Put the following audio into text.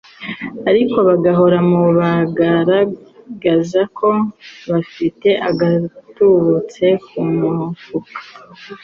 ariko bagahora mu bagaragaza ko bafite agatubutse ku mufuka.